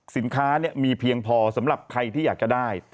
สินค้ามีเพียงพอสำหรับใครที่อยากจะได้